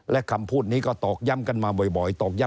และคำพูดนี้ก็ตอกย่ำกันมาบ่อย